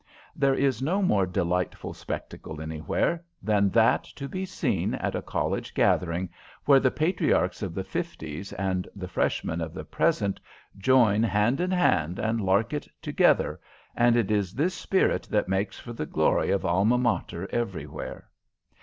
There is no more delightful spectacle anywhere than that to be seen at a college gathering, where the patriarchs of the fifties and the Freshmen of the present join hand in hand and lark it together, and it is this spirit that makes for the glory of Alma Mater everywhere.